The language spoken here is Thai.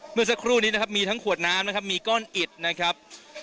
เมื่อสักครู่นี้นะครับมีทั้งขวดน้ำนะครับมีก้อนอิดนะครับ